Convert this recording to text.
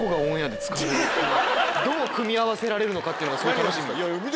どう組み合わせられるのかっていうのがすごい楽しみ。